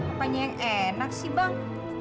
apanya yang enak sih bang